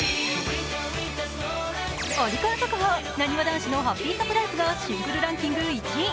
オリコン速報、なにわ男子の「ハッピーサプライズ」がシングルランキング１位。